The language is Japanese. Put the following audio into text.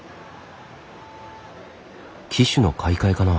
機種の買い替えかな？